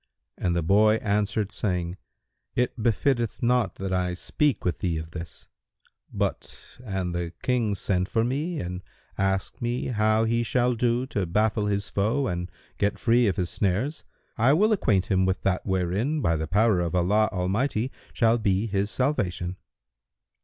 And the boy answered, saying, "It befitteth not that I speak with thee of this; but, an the King send for me and ask me how he shall do to baffle his foe and get free of his snares, I will acquaint him with that wherein, by the power of Allah Almighty, shall be his salvation."